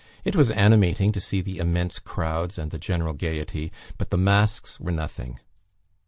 It was animating to see the immense crowds, and the general gaiety, but the masks were nothing.